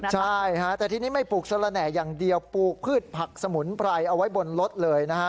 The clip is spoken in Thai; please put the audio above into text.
ใช่ฮะแต่ทีนี้ไม่ปลูกสละแหน่อย่างเดียวปลูกพืชผักสมุนไพรเอาไว้บนรถเลยนะฮะ